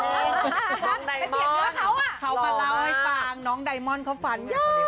น้องไดมอนด์เขามาเล่าให้ฟังน้องไดมอนด์เขาฝัน